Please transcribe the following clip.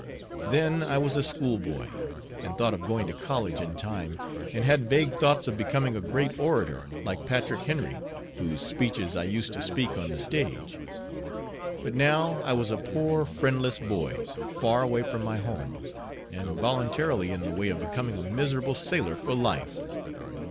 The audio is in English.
Then I was a schoolboy, and thought of going to college in time; and had vague thoughts of becoming a great orator like Patrick Henry, whose speeches I used to speak on the stage; but now, I was a poor friendless boy, far away from my home, and voluntarily in the way of becoming a miserable sailor for life.